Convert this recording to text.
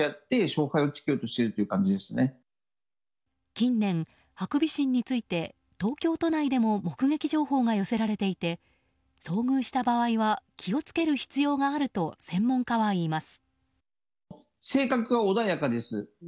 近年、ハクビシンについて東京都内でも目撃情報が寄せられていて遭遇した場合は気を付ける必要があると専門家は言います。